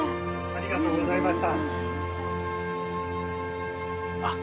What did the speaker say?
ありがとうございましたあっ